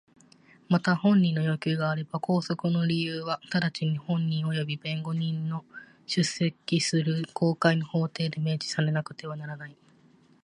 また本人の要求があれば拘束の理由は直ちに本人および弁護人の出席する公開の法廷で明示されなくてはならない。